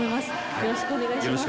よろしくお願いします